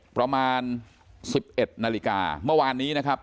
ประมาณ๑๑นาฬิกาเมื่อวานนี้นะครับ